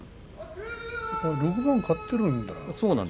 ６番勝っているんだね